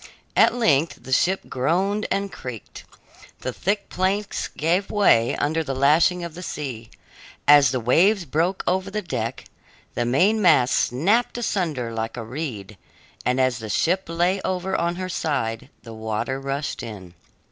At length the ship groaned and creaked; the thick planks gave way under the lashing of the sea, as the waves broke over the deck; the mainmast snapped asunder like a reed, and as the ship lay over on her side, the water rushed in.